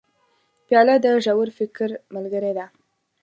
پیاله د ژور فکر ملګرې ده.